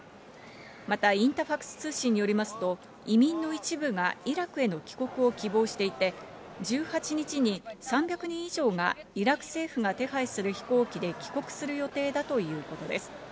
またインタファクス通信によりますと移民の一部がイラクへの帰国を希望していて、１８日に３００人以上がイラク政府が手配する飛行機で帰国する予定だということです。